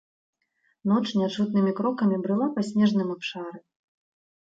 Ноч нячутнымі крокамі брыла па снежным абшары.